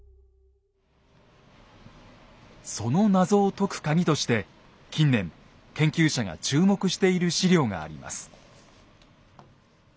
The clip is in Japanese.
その謎を解くカギとして近年研究者が注目している史料があります。